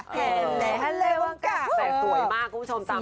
แต่สวยมากคุณผู้ชม